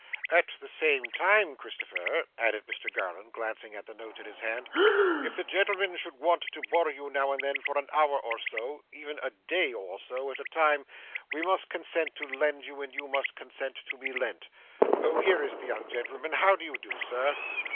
'At the same time, Christopher,' added Mr Garland, glancing at the note in his hand, 'if the gentleman should want to borrow you now and then for an hour or so, or even a day or so, at a time, we must consent to lend you, and you must consent to be lent. Oh! here is the young gentleman. How do you do, Sir?